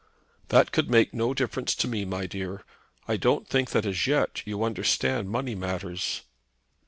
"That could make no difference to me, my dear. I don't think that as yet you understand money matters."